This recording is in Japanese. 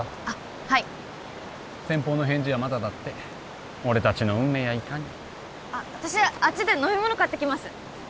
あっはい先方の返事はまだだって俺達の運命やいかにあっ私あっちで飲み物買ってきます